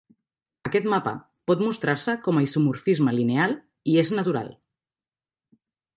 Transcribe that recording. Aquest mapa por mostrar-se com a isomorfisme lineal, i és natural.